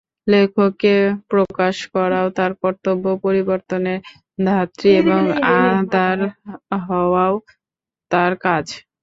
লেখককে প্রকাশ করাও তার কর্তব্য, পরিবর্তনের ধাত্রী এবং আধার হওয়াও তার কাজ।